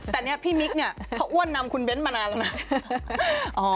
แต่นี่พี่มิคเขาอ้วนนำคุณเบ้นท์มานานแล้วนะ